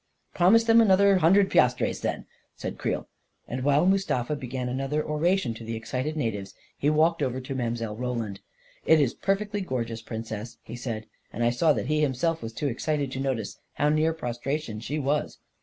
" Promise them another hundred piastres, then," said Creel, and while Mustafa began another ora tion to the excited natives, he walked over to Mile. Roland. " It is perfectly gorgeous, Princess !" he said, and I saw that he himself was too excited to notice how near prostration she was.